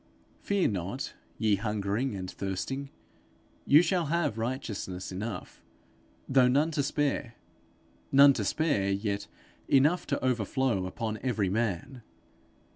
Fear not, ye hungering and thirsting; you shall have righteousness enough, though none to spare none to spare, yet enough to overflow upon every man.